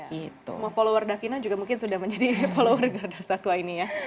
semua follower davina mungkin sudah menjadi follower gardasatwa ini ya